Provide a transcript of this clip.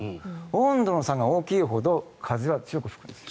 温度の差が大きいほど風は強く吹くんですよ。